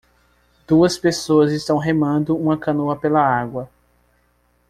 Duas pessoas estão remando uma canoa pela água.